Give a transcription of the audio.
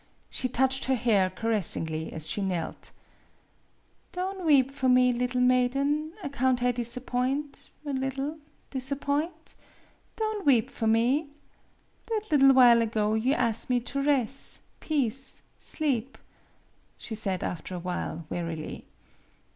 She touched her hair caressingly as she knelt. " Don' weep for me, liddle maiden ac count I disappoint a liddle disappoint Don' weep for me. That liddle while ago you as' me to res' peace sleep," she said after a while, wearily.